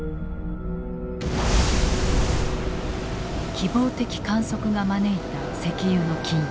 希望的観測が招いた石油の禁輸。